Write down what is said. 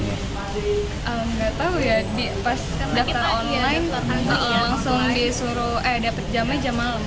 nggak tahu ya pas daftar online langsung disuruh eh dapat jamnya jam malam